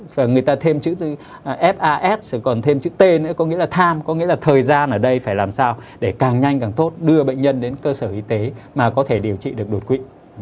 và người ta thêm chữ f a s còn thêm chữ t nữa có nghĩa là time có nghĩa là thời gian ở đây phải làm sao để càng nhanh càng tốt đưa bệnh nhân đến cơ sở y tế mà có thể điều trị được đột quỵ